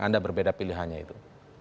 anda berbeda pilihannya itu